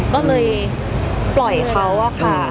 ก็เลยปล่อยเขาอะค่ะ